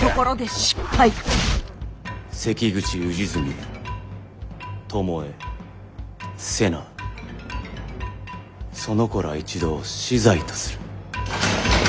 関口氏純巴瀬名その子ら一同死罪とする。